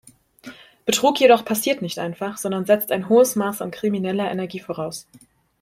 Betrug jedoch passiert nicht einfach, sondern setzt ein hohes Maß an krimineller Energie voraus.